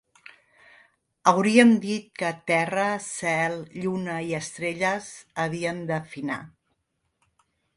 Hauríem dit que terra, cel, lluna i estrelles havien de finar.